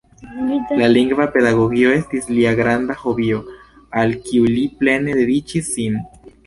La lingva pedagogio estis lia granda hobio, al kiu li plene dediĉis sin.